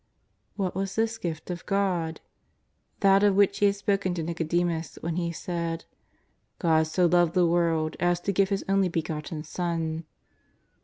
'' What was this gift of God ? That of which He had spoken to !N^icodemus when He said :" God so loved the world as to give His only Begotten Son."